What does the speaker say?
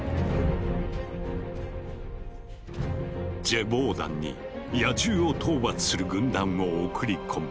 ジェヴォーダンに野獣を討伐する軍団を送り込む。